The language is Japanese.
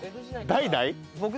代々？